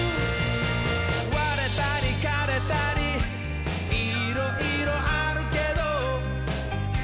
「われたりかれたりいろいろあるけど」